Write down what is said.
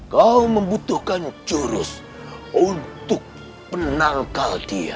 kau membutuhkan jurus untuk penangkal dia